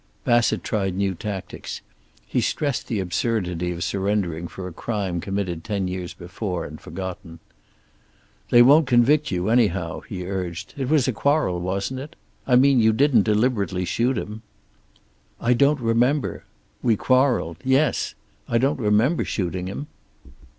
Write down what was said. Bassett tried new tactics. He stressed the absurdity of surrendering for a crime committed ten years before and forgotten. "They won't convict you anyhow," he urged. "It was a quarrel, wasn't it? I mean, you didn't deliberately shoot him?" "I don't remember. We quarreled. Yes. I don't remember shooting him."